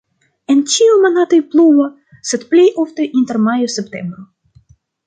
En ĉiuj monatoj pluva, sed plej ofte inter majo-septembro.